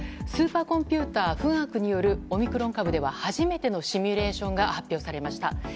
スーパーコンピューター「富岳」によるオミクロン株では初めてのシミュレーションが発表されました。